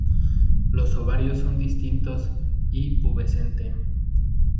Los ovarios son distintos y pubescente.